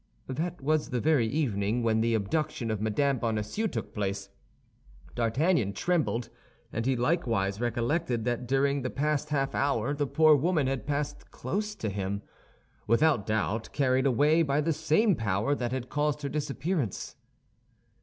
That was the very evening when the abduction of Mme. Bonacieux took place. D'Artagnan trembled; and he likewise recollected that during the past half hour the poor woman had passed close to him, without doubt carried away by the same power that had caused her disappearance.